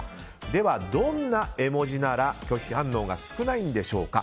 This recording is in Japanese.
ではどんな絵文字なら拒否反応が少ないんでしょうか。